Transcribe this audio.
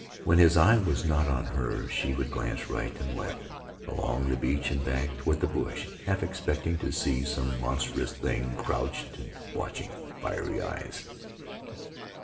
When his eye was not on her she would glance right and left along the beach and back toward the bush, half expect ing to see some monstrous thing, crouched and watch ing with fiery eyes.